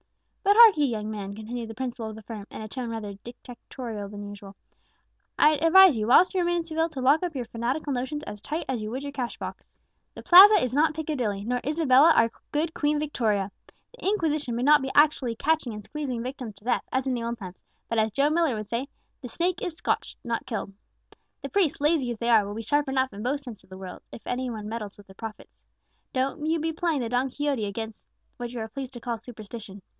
"But hark'ee, young man," continued the principal of the firm, in a tone rather more dictatorial than usual, "I'd advise you, whilst you remain in Seville, to lock up your fanatical notions as tight as you would your cash box. The Plaza is not Piccadilly, nor Isabella our good Queen Victoria. The Inquisition may not be actually catching and squeezing victims to death, as in the old times; but, as Joe Millar would say, 'The snake is scotched, not killed.' The priests, lazy as they are, will be sharp enough, in both senses of the word, if any one meddle with their profits. Don't you be playing the Don Quixote against what you are pleased to call superstition.